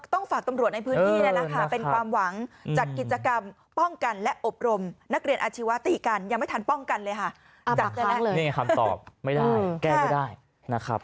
ต้องฝากตำรวจในพื้นที่นี่แหละค่ะเป็นความหวังจัดกิจกรรมป้องกันและอบรมนักเรียนอาชีวะตีกันยังไม่ทันป้องกันเลยค่ะจากนั้นเลยนี่คำตอบไม่ได้แก้ไม่ได้นะครับ